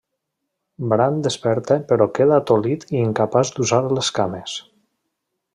Bran desperta però queda tolit i incapaç d'usar les cames.